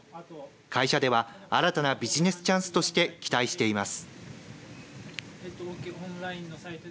会社では新たなビジネスチャンスとして期待しています。